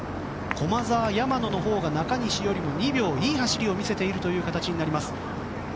駒澤、山野のほうが中西より２秒いい走りを見せている形になります。